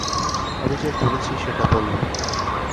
আমি যা করেছি, সেটা বললাম।